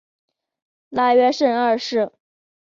拉约什二世。